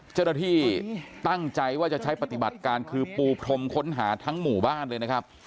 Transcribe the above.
เจ้าหน้าที่ตั้งใจว่าจะใช้ปฏิบัติการคือปูพรมค้นหาทั้งหมู่บ้านเลยนะครับ